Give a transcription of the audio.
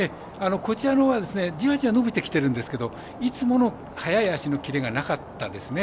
こちらのほうはじわじわ伸びてきてるんですけどいつもの速い脚のキレがなかったですね。